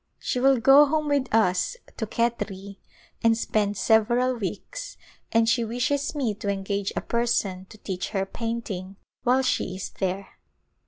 She will go home with us to Khetri and spend several weeks and she wishes me to engage a person to teach her painting while she is there.